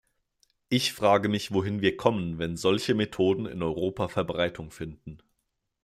Ich frage mich, wohin wir kommen, wenn solche Methoden in Europa Verbreitung finden.